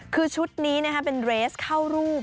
คือชุดนี้นะครับเป็นเดรสเข้ารูป